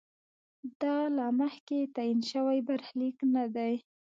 دا له مخکې تعین شوی برخلیک نه دی.